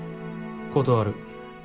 断る。